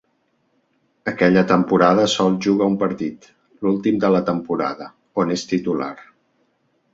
Aquella temporada sols juga un partit, l'últim de la temporada, on és titular.